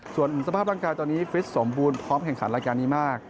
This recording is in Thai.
ส่วนสภาพร่างกายตอนนี้ฟิตสมบูรณ์พร้อมแข่งขันรายการนี้มาก